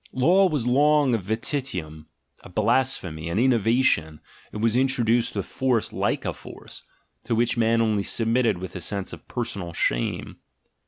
Law was long a vetitum, a blasphemy, an innovation; it was introduced with force like a force, to which men only submitted with a sense of personal shame.